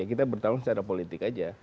kita bertarung secara politik aja